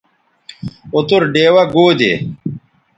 اوتر ڈیوہ گو دے